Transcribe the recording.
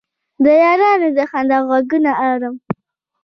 د یارانو د خندا غـــــــــــــــــږونه اورم